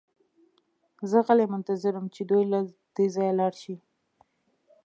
زه غلی منتظر وم چې دوی له دې ځایه لاړ شي